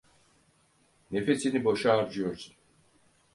Nefesini boşa harcıyorsun.